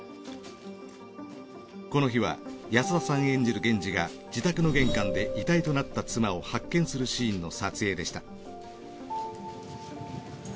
この日は安田さん演じる源次が自宅の玄関で遺体となった妻を発見するシーンの撮影でした。